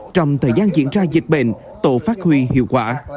trong thời gian diễn ra dịch bệnh tổ phát huy hiệu quả